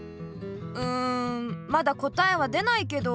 うんまだこたえはでないけど。